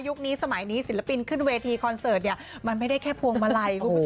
ยุคนี้สมัยสิลปินขึ้นเวทีคอนเสิร์ตมันไม่ได้แค่พวงมาลัย